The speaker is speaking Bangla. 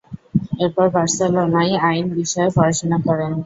এরপর বার্সেলোনায় আইন বিষয়ে পড়াশোনা করেন।